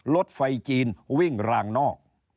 รถไฟจีนวิ่งรางนอก